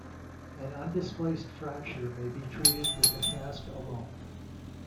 An undisplaced fracture may be treated with a cast alone.